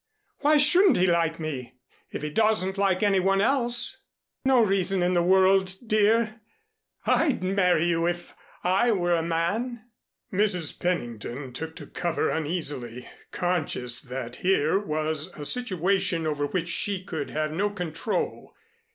Why shouldn't he like me, if he doesn't like any one else?" "No reason in the world, dear. I'd marry you, if I were a man." Mrs. Pennington took to cover uneasily, conscious that here was a situation over which she could have no control.